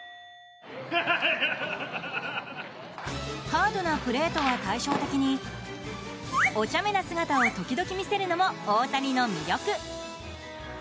ハードなプレーとは対照的にお茶目な姿を時々見せるのも、大谷の魅力。